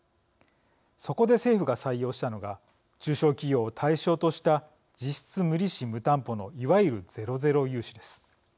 そこで政府が採用したのが中小企業を対象とした実質無利子無担保のいわゆるゼロゼロ融資です。